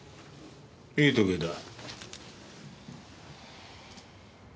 いい時計だ。